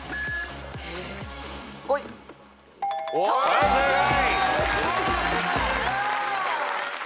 はい正解。